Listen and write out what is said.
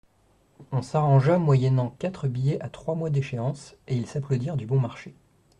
On s'arrangea, moyennant quatre billets à trois mois d'échéance, et ils s'applaudirent du bon marché.